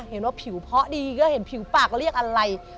เห็นว่าผิวเพาะดีก็เห็นผิวปากเรียกอะไร